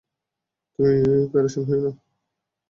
তুমি পেরেশান হয়ো না!